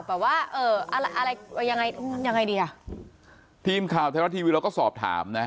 แบบว่าอะไรยังไงอย่างไอห์ดีอ่ะทีมทักร้าวแทวนทีวีเราก็สอบถามนะ